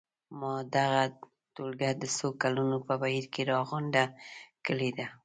ما دغه ټولګه د څو کلونو په بهیر کې راغونډه کړې ده.